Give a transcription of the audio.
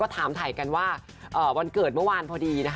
ถามถ่ายกันว่าวันเกิดเมื่อวานพอดีนะคะ